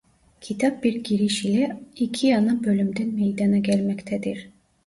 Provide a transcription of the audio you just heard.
Kitap bir giriş ile iki ana bölümden meydana gelmektedir.